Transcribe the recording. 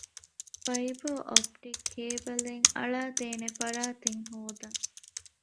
ފައިބަރ އޮޕްޓިކް ކޭބަލެއް އަޅައިދޭނެ ފަރާތެއް ހޯދަން